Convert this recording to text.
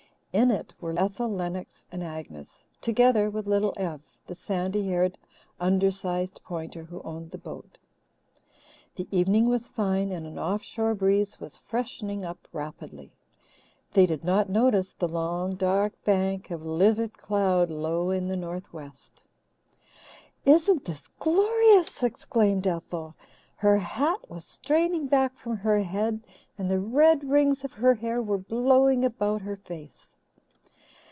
In it were Ethel Lennox and Agnes, together with Little Ev, the sandy haired, undersized Pointer who owned the boat. The evening was fine, and an off shore breeze was freshening up rapidly. They did not notice the long, dark bank of livid cloud low in the northwest. "Isn't this glorious!" exclaimed Ethel. Her hat was straining back from her head and the red rings of her hair were blowing about her face.